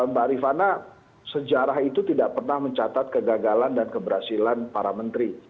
mbak rifana sejarah itu tidak pernah mencatat kegagalan dan keberhasilan para menteri